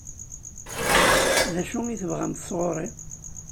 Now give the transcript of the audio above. D acu i tebɣamt sɣur-s?